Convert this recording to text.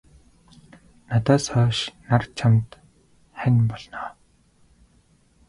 Надаас хойш нар чамд хань болно.